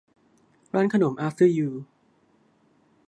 ร้านขนมอาฟเตอร์ ยู